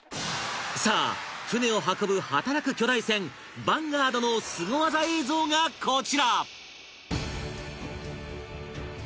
さあ船を運ぶ働く巨大船ヴァンガードのスゴ技映像がこちら